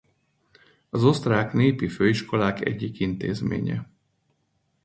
Az osztrák Népi Főiskolák egyik intézménye.